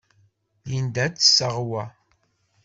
Linda ad d-tseɣ wa.